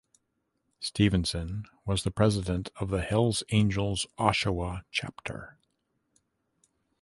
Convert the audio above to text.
Stephenson was the president of the Hells Angels Oshawa chapter.